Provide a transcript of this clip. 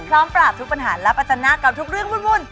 ปราบทุกปัญหาและปัจจนากับทุกเรื่องวุ่น